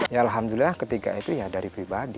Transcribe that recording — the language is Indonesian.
ya alhamdulillah ketika itu ya dari pribadi